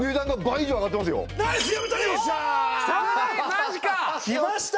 マジか！？来ました！